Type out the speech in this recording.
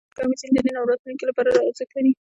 افغانستان کې آمو سیند د نن او راتلونکي لپاره ارزښت لري.